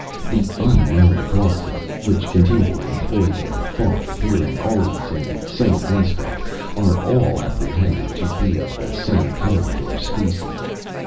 The unknown causes which continually employ their thought, appearing always in the same aspect, are all apprehended to be of the same kind or species.